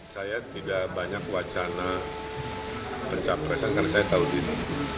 saya tidak banyak wacana pencapresan karena saya tahu gini